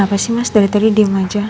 baik ya udah berhenti